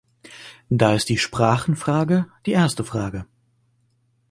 Da ist die Sprachenfrage die erste Frage.